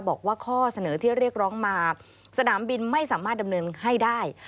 บอกว่าข้อเสนอที่เรียกร้องมาสนามบินไม่สามารถดำเนินให้ได้